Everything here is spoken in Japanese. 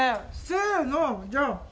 せーの、じゃん！